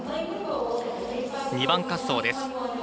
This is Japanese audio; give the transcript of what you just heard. ２番滑走です。